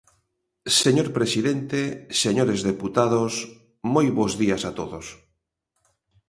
Señor presidente, señores deputados, moi bos días a todos.